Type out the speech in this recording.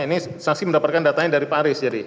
ini saksi mendapatkan datanya dari pak aris jadi